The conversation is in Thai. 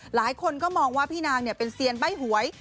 หลายคนก็มองว่าพี่นางเป็นเซียนใบ้หวย